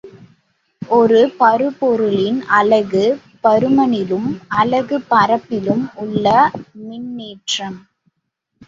ஒரு பருப்பொருளின் அலகுப் பருமனிலும் அலகுப் பரப்பிலும் உள்ள மின்னேற்றம்.